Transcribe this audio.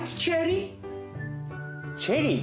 チェリー！